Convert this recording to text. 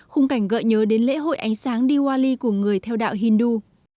khung cảnh gợi nhớ đến lễ hội ánh sáng diwali của người theo đạo hindu